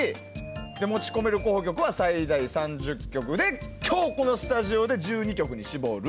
持ち込める候補曲は最大３０曲で今日、このスタジオで１２曲に絞る。